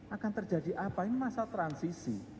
akan terjadi apa ini masa transisi